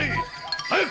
早く！